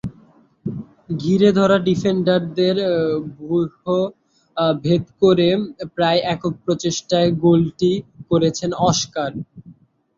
ঘিরে ধরা ডিফেন্ডারদের ব্যূহ ভেদ করে প্রায় একক প্রচেষ্টায় গোলটি করেছেন অস্কার।